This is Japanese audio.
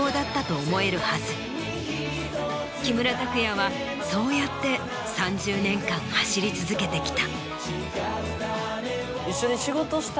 木村拓哉はそうやって３０年間走り続けてきた。